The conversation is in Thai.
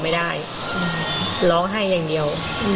ไม่ได้ร้องไห้อย่างเดียว